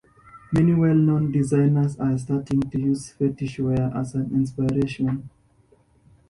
Many well known designers are starting to use fetish wear as an inspiration.